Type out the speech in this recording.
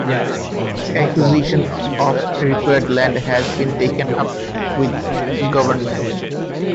Acquisition of required land has been taken up with Government.